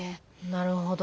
なるほど。